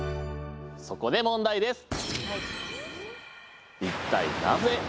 そこで問題です。